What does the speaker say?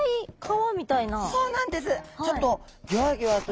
そうなんです。